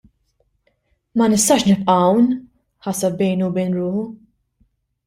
" Ma nistax nibqa' hawn! " ħaseb bejnu u bejn ruħu.